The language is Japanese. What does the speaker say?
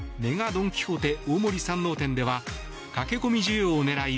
ドン・キホーテ大森山王店では駆け込み需要を狙い